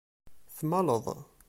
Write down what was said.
Tmaleḍ.